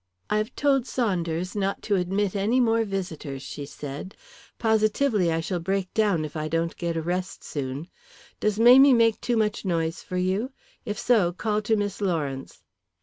"I have told Saunders not to admit any more visitors," she said. "Positively I shall break down if I don't get a rest soon. Does Mamie make too much noise for you! If so, call to Miss Lawrence."